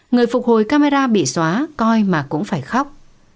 người phục hồi camera bị xóa coi mà cũng phải khóc